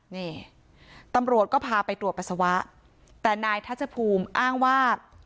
นี่ตำรวจก็พาไปตรวจปัสสาวะแต่นายทัชภูมิอ้างว่า